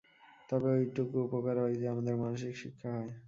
তবে এইটুকু উপকার হয় যে, আমাদের মানসিক শিক্ষা হয়।